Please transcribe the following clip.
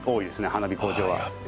花火工場は。